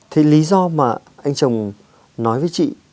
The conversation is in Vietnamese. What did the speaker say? thế lý do mà anh chồng nói với chị